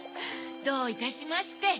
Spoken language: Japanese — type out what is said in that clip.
どういたしまして。